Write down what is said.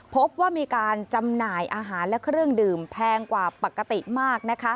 พบว่ามีการจำหน่ายอาหารและเครื่องดื่มแพงกว่าปกติมาก